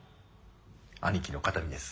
兄貴の形見です。